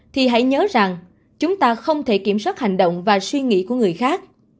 thì hãy nhớ rằng chúng ta không thể kiểm soát hành động và suy nghĩ của người khác